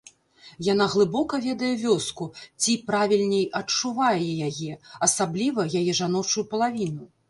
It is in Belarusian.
Яна глыбока ведае вёску ці, правільней, адчувае яе, асабліва яе жаночую палавіну.